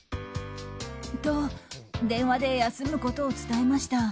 と、電話で休むことを伝えました。